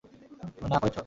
তুমি না করেছো।